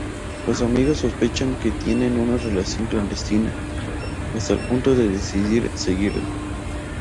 Los amigos sospechan que tiene una relación clandestina, hasta el punto de decidir seguirlo.